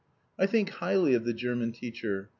I think highly of the German teacher.